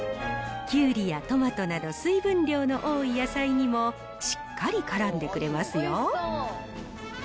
きゅうりやトマトなど水分量の多い野菜にも、しっかりからんでくれますよ。